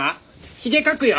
ヒゲ描くよ！